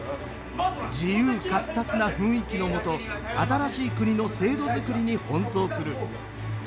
自由闊達な雰囲気のもと新しい国の制度づくりに奔走する。